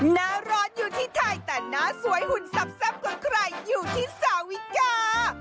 หน้าร้อนอยู่ที่ไทยแต่หน้าสวยหุ่นสับของใครอยู่ที่สาวิกา